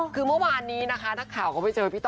คือเมื่อวานนี้นะคะนักข่าวก็ไปเจอพี่ต่อ